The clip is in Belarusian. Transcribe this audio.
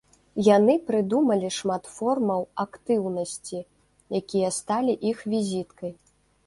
Яны прыдумалі шмат формаў актыўнасці, якія сталі іх візіткай.